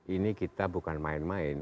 ini kita bukan main main